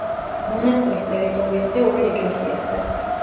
მონასტრის ტერიტორიაზე ორი ეკლესია დგას.